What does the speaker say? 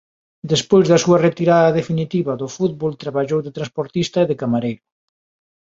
Despois da súa retirada definitiva do fútbol traballou de transportista e de camareiro.